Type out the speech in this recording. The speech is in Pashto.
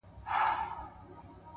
هغه هغه پخوا چي يې شپېلۍ ږغول”